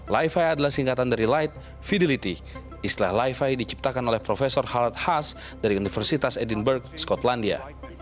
li fi adalah singkatan dari light fidelity istilah li fi diciptakan oleh prof harald haas dari universitas edinburgh skotlandia